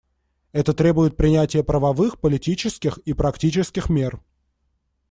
Это требует принятия правовых, политических и практических мер.